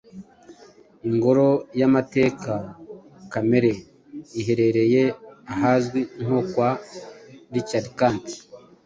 Ingoro y’amateka kamere iherereye ahazwi nko kwa Richard Kandt